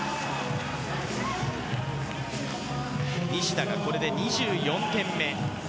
西田がこれで２４点目。